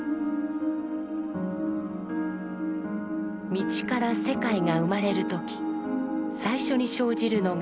「道」から世界が生まれる時最初に生じるのが「一」。